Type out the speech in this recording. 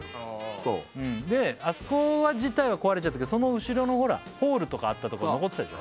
そうであそこ自体は壊れちゃったけどその後ろのホールとかあったところ残ってたでしょ